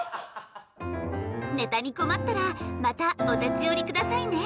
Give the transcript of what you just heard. ネタに困ったらまたお立ち寄り下さいね。